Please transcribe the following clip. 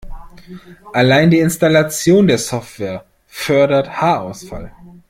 Allein die Installation der Software fördert Haarausfall.